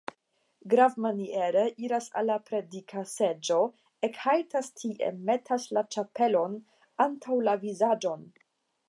Gravmiene iras al la predika seĝo, ekhaltas tie, metas la ĉapelon antaŭ la vizaĝon.